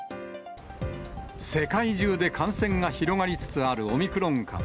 世界中で感染が広がりつつあるオミクロン株。